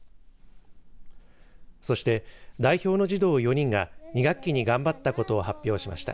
そして、代表の児童４人が２学期に頑張ったことを発表しました。